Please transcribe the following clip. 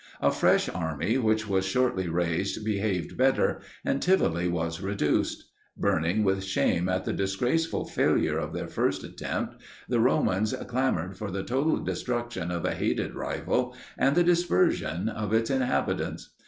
A fresh army which was shortly raised behaved better, and Tivoli was reduced. Burning with shame at the disgraceful failure of their first attempt, the Romans clamoured for the total destruction of a hated rival and the dispersion of its inhabitants.